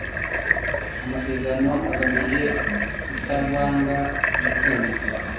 amasezerano agamije kutavanga umutungo